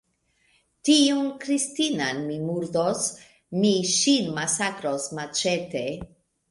Tiun Kristinan mi murdos, mi ŝin masakros maĉete!